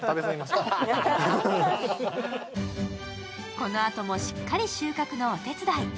このあともしっかり収穫のお手伝い。